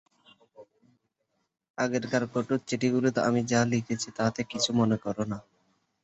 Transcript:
আগেকার কঠোর চিঠিগুলিতে আমি যা লিখেছি, তাতে কিছু মনে কর না।